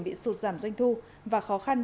bị sụt giảm doanh thu và khó khăn